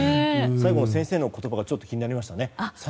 最後の先生の言葉が気になりましたね。